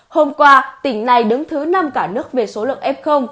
hôm qua tỉnh này đứng thứ năm cả nước về số lượng ép không